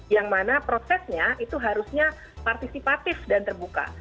yang mana prosesnya itu harusnya partisipatif dan terbuka